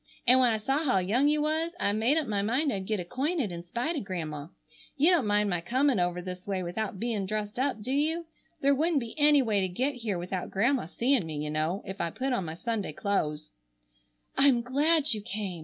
And when I saw how young you was I made up my mind I'd get acquainted in spite of Grandma. You don't mind my comin' over this way without bein' dressed up, do you? There wouldn't be any way to get here without Grandma seeing me, you know, if I put on my Sunday clo'es." "I'm glad you came!"